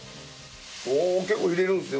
お結構入れるんですね